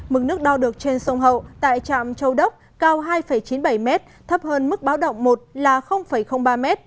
mực nước đo được trên sông hậu tại trạm châu đốc cao hai chín mươi bảy m thấp hơn mức báo động một là ba m